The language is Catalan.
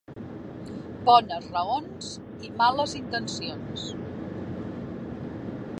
Bones raons i males intencions.